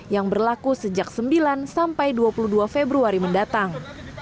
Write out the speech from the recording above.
yang berlaku sejak sembilan sampai dua puluh dua februari mendatang